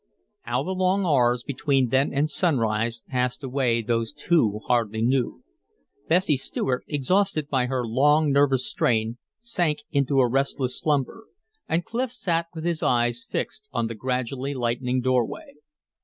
How the long hours between then and sunrise passed away those two hardly knew. Bessie Stuart, exhausted by her long nervous strain, sank into a restless slumber. And Clif sat with his eyes fixed on the gradually lightening doorway.